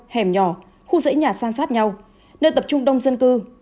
hẻm nhỏ khu rễ nhà sang sát nhau nơi tập trung đông dân cư